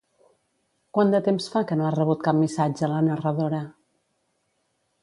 Quant de temps fa que no ha rebut cap missatge la narradora?